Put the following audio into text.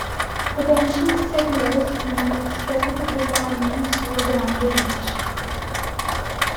Potential settlers who met specific requirements were granted each.